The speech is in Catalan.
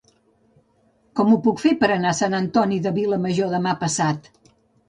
Com ho puc fer per anar a Sant Antoni de Vilamajor demà passat?